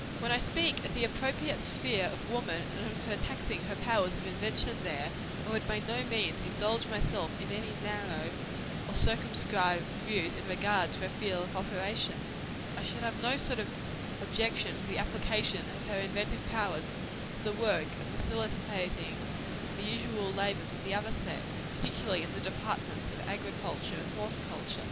When I speak of the appropriate sphere of woman, and of her taxing her powers of invention there, I would by no means indulge myself in any narrow or circumscribed views in regard to her field of operation. I should have no sort of objection to the application of her inventive powers to the work of facilitating the usual labors of the other sex particularly in the departments of agriculture and horticulture.